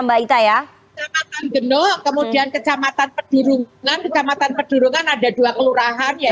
mbak ita ya kemudian kecamatan pedurungan kecamatan pedurungan ada dua kelurahan ya